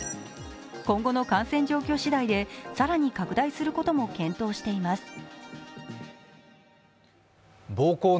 今後の感染状況次第で更に拡大することも検討しています。